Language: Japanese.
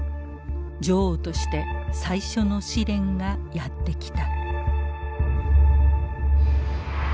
女王として最初の試練がやって来た。